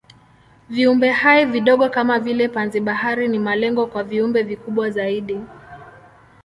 Viumbehai vidogo kama vile panzi-bahari ni malengo kwa viumbe vikubwa zaidi.